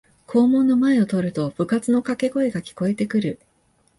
校門の前を通ると部活のかけ声が聞こえてくる